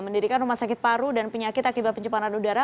mendirikan rumah sakit paru dan penyakit akibat pencemaran udara